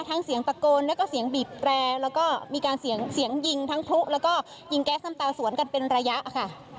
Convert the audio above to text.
ทั้งเสียงตะโกนแล้วก็เสียงบีบแตรแล้วก็มีการเสียงเสียงยิงทั้งพลุแล้วก็ยิงแก๊สน้ำตาสวนกันเป็นระยะค่ะ